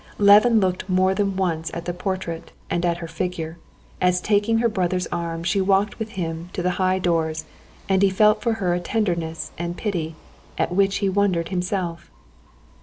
Levin looked more than once at the portrait and at her figure, as taking her brother's arm she walked with him to the high doors and he felt for her a tenderness and pity at which he wondered himself.